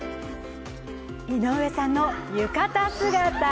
井上さんの浴衣姿。